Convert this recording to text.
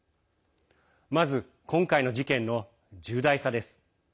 まず、今回の事件の重大さです。